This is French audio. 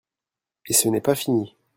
Et ce n’est pas fini.